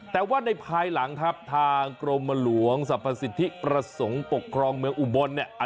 แต่ว่าในภายหลังครับทางกรมหลวงสรรพสิทธิประสงค์ปกครองเมืองอุบลเนี่ย